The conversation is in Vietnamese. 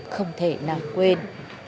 không thể nào quên